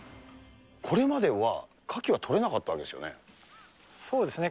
これまでは、カキは取れなかそうですね。